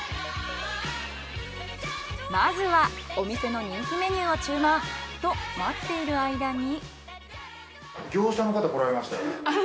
まずはお店の人気メニューを注文。と待っている間に。